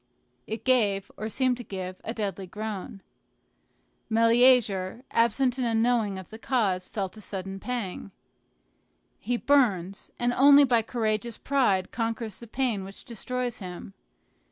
It gave, or seemed to give, a deadly groan. Meleager, absent and unknowing of the cause, felt a sudden pang. He burns, and only by courageous pride conquers the pain which destroys him.